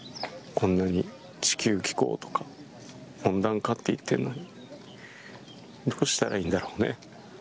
こんなに地球気候とか温暖化っていっているのにどうしたらいいんだろうね。